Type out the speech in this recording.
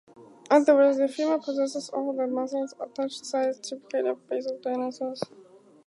Otherwise the femur possesses all the muscle attachment sites typical of basal dinosaurs.